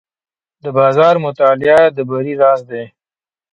د بازار مطالعه د بری راز دی.